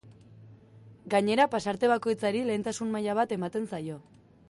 Gainera, pasarte bakoitzari lehentasun-maila bat ematen zaio.